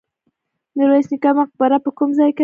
میرویس نیکه مقبره په کوم ځای کې ده؟